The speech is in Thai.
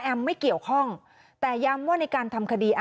ได้ได้คุยกันหลังใดแล้วกันเนอะ